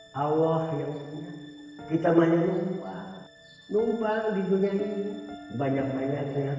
hai allah ya kita banyak lupa lupa di dunia ini banyak banyaknya